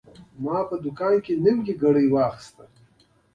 ما له دوکانه نوی ساعت واخیست.